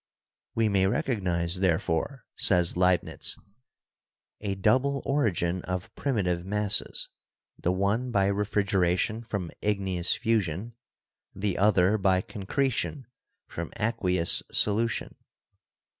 "We may recognise, therefore," says Leibnitz, "a double origin of primitive masses, the one by refrigeration from igneous fusion, the other by concretion from aqueous solution."